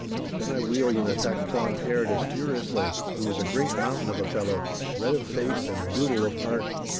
Then I wheeled and attacked Cloncaird as furiously, who was a great mountain of a fellow, red of face and brutal of heart.